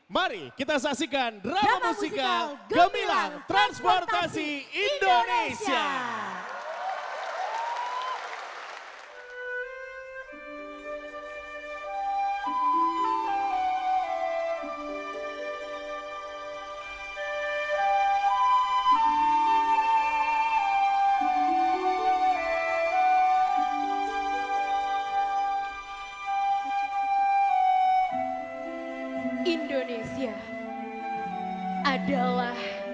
mari kita saksikan drama musikal gemilang transportasi indonesia